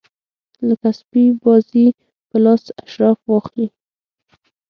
لکه سپي بازي په لاس اشراف واخلي.